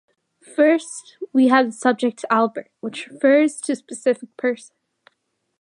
First, we have the subject "Albert," which refers to a specific person.